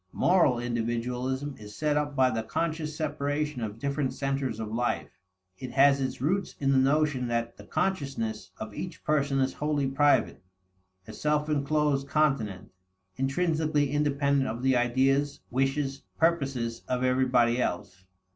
Moral individualism is set up by the conscious separation of different centers of life. It has its roots in the notion that the consciousness of each person is wholly private, a self inclosed continent, intrinsically independent of the ideas, wishes, purposes of everybody else.